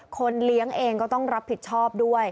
คนเลี้ยงเองก็ต้องรับผิดชอบด้วย